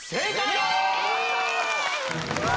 正解！